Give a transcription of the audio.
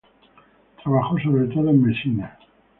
Trabajó sobre todo en Mesina.